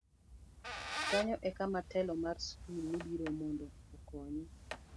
kanyo e kama telo mar skul nobiro mondo okonye